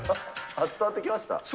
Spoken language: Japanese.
伝わってきました？